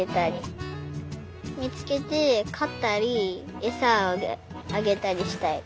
みつけてかったりえさをあげたりしたい。